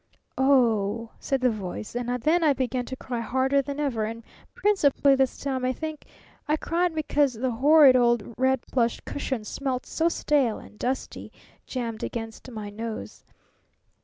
'O h,' said the Voice, and then I began to cry harder than ever, and principally this time, I think, I cried because the horrid, old red plush cushions smelt so stale and dusty, jammed against my nose.